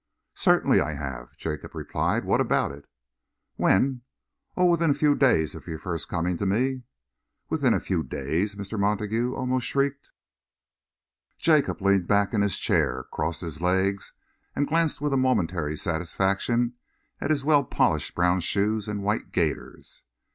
"Certainly I have," Jacob replied. "What about it?" "When?" "Oh, within a few days of your first coming to me." "Within a few days?" Mr. Montague almost shrieked. Jacob leaned back in his chair, crossed his legs, and glanced with a momentary satisfaction at his well polished brown shoes and white gaiters.